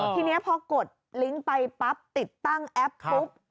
ทีนี้พอกดลิงก์ไปปั๊บติดตั้งแอปปุ๊บ